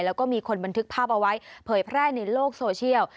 แล้วก็มีคนบันทึกภาพเอาไว้เผยแพร่ในโลกโซเชียล